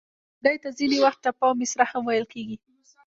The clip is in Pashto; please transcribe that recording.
لنډۍ ته ځینې وخت، ټپه او مصره هم ویل کیږي.